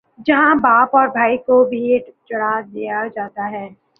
جہاں باپ اور بھائیوں کو بھینٹ چڑھا دیا جاتا ہے۔